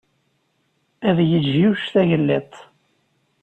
Ad yeǧǧ Yuc Tagellidt.